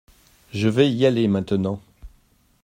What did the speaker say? Je vais y aller maintenant.